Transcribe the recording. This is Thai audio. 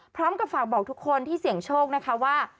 พร้อมกับฝากบอกทุกคนที่เสี่ยงโชคนะคะว่า